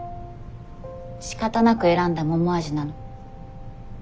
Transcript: しかたなく選んだ桃味なの？